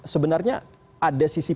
sebenarnya ada sisi